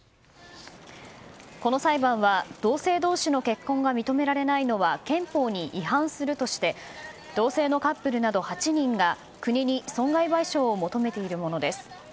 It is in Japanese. この裁判は、同性同士の結婚が認められないのは憲法に違反するとして同性のカップルなど８人が国に損害賠償を求めているものです。